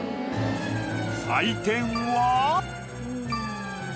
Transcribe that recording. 採点は。